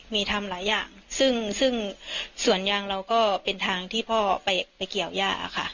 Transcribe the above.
มีทำหลายอย่างซึ่งซึ่งสวนยางเราก็เป็นทางที่พ่อไปเกี่ยวย่าค่ะ